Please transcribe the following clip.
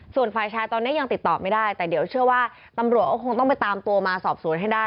ส่วนฝ่ายชายตอนนี้ยังติดต่อไม่ได้แต่เดี๋ยวเชื่อว่าตำรวจก็คงต้องไปตามตัวมาสอบสวนให้ได้